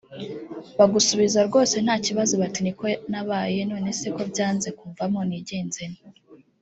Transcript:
bagusubiza rwose nta kibazo bati “niko nabaye…none se ko byanze kumvamo nigenze nte